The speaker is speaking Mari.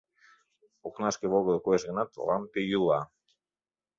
Окнашке волгыдо коеш гынат, лампе йӱла.